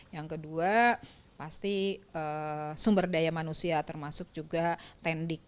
yang kedua pasti sumber daya manusia termasuk juga tendik